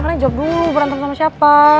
karena jawab dulu berantem sama siapa